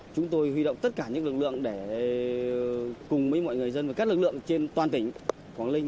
chúng tôi huy động tất cả những lực lượng để cùng với mọi người dân và các lực lượng trên toàn tỉnh quảng ninh